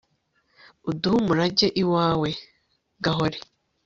uduhe umurage iwawe, gahore